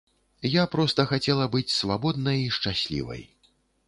Я проста хацела быць свабоднай і шчаслівай.